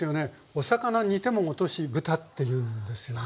お魚煮ても落としぶたって言うんですよね？